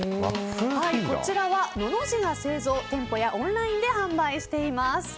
こちらはののじが製造店舗やオンラインで販売しています。